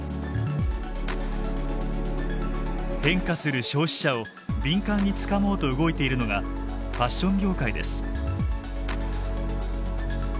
変化する消費者を敏感につかもうと動いているのがファッション業界です。